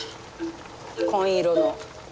紺色の。